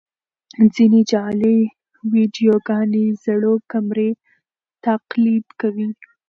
ځینې جعلي ویډیوګانې زړو کمرې تقلید کوي.